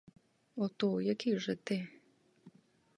Ото, який же ти!